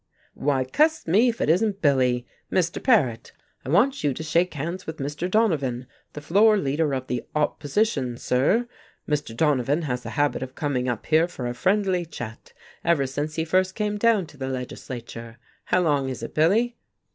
"Why, cuss me if it isn't Billy! Mr. Paret, I want you to shake hands with Mr. Donovan, the floor leader of the 'opposition,' sir. Mr. Donovan has had the habit of coming up here for a friendly chat ever since he first came down to the legislature. How long is it, Billy?"